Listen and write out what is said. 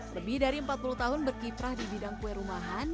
lebih dari empat puluh tahun berkiprah di bidang kue rumahan